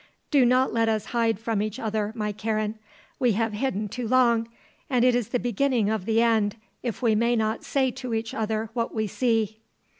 Do not let us hide from each other, my Karen. We have hidden too long and it is the beginning of the end if we may not say to each other what we see."